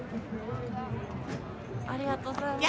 ありがとうございます。